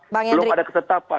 belum ada ketetapan